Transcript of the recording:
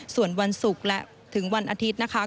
ส่วนวันศุกร์และถึงวันอาทิตย์นะคะ